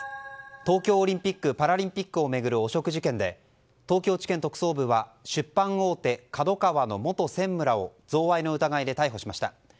東京オリンピック・パラリンピックを巡る汚職事件で東京地検特捜部は出版大手ＫＡＤＯＫＡＷＡの元専務らを贈賄の疑いで逮捕しました。